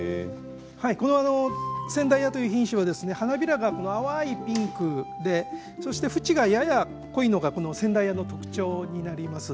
この仙台屋という品種は花びらが淡いピンクでそして縁がやや濃いのが仙台屋の特徴になります。